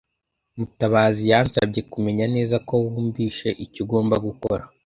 Mutabazi yansabye kumenya neza ko wunvise icyo ugomba gukora.